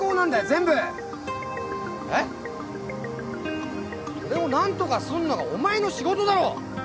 それを何とかすんのがお前の仕事だろ！